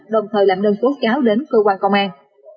đồng thời làm đơn tố cáo đến cơ quan công an